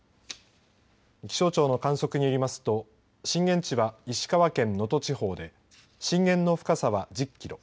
気象庁の観測によりますと震源地は石川県能登地方で震源の深さは１０キロ。